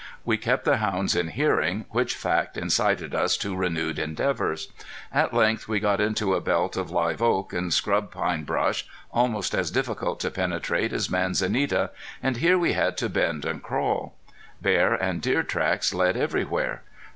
We kept the hounds in hearing, which fact incited us to renewed endeavors. At length we got into a belt of live oak and scrub pine brush, almost as difficult to penetrate as manzanita, and here we had to bend and crawl. Bear and deer tracks led everywhere.